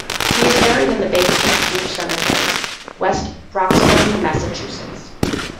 He is buried in the Baker Street Jewish Cemeteries, West Roxbury, Massachusetts.